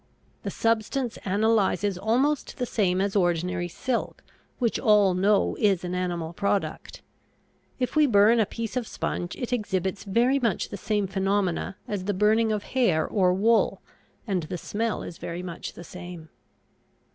The substance analyzes almost the same as ordinary silk, which all know is an animal product. If we burn a piece of sponge it exhibits very much the same phenomena as the burning of hair or wool, and the smell is very much the same.